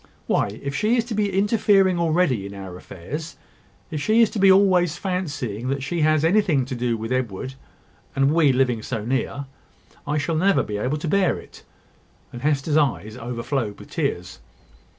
Why, if she is to be interfering already in our affairs if she is to be always fancying that she has anything to do with Edward, and we living so near, I shall never be able to bear it." And Hester's eyes overflowed with tears.